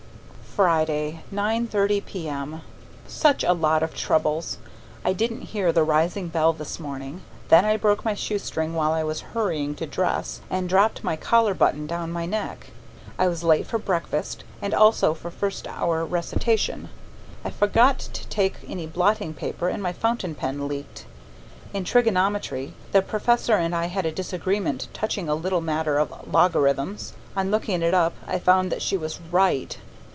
Friday, 9.30 p.m. Such a lot of troubles! I didn't hear the rising bell this morning, then I broke my shoestring while I was hurrying to dress and dropped my collar button down my neck. I was late for breakfast and also for first hour recitation. I forgot to take any blotting paper and my fountain pen leaked. In trigonometry the Professor and I had a disagreement touching a little matter of logarithms. On looking it up, I find that she was right.